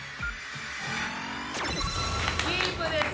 キープです。